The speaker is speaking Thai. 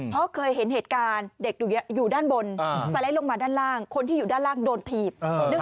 เพราะเคยเห็นเหตุการณ์เด็กอยู่ด้านบนสไลด์ลงมาด้านล่างคนที่อยู่ด้านล่างโดนถีบ